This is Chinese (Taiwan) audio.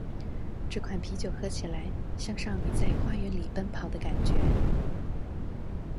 這款啤酒喝起來，像少女在花園裡奔跑的感覺